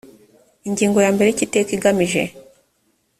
ingingo ya mbere icyo iteka rigamije